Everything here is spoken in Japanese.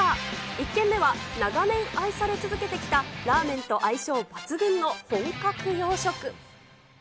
１軒目は、長年愛され続けてきた、ラーメンと相性抜群の本格洋食。